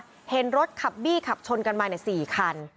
เขาบอกว่าเห็นรถขับบี้ขับชนกันมาใน๔คัน